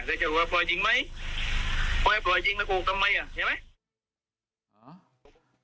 แล้วจะปล่อยจริงไหมปล่อยจริงแล้วก็กลับไหมอ่าเห็นไหม